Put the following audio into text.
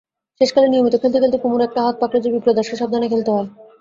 শেষকালে নিয়মিত খেলতে খেলতে কুমুর এতটা হাত পাকল যে বিপ্রদাসকে সাবধানে খেলতে হয়।